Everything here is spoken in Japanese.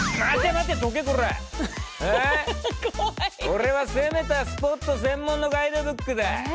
オレは攻めたスポット専門のガイドブックだ。